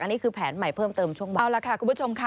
อันนี้คือแผนใหม่เพิ่มเติมช่วงบ่าย